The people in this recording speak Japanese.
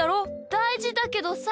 だいじだけどさ。